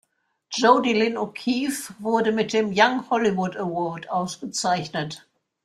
Jodi Lyn O’Keefe wurde mit dem "Young Hollywood Award" ausgezeichnet.